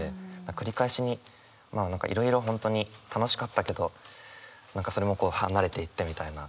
「繰り返し」にいろいろ本当に楽しかったけど何かそれも離れていったみたいな。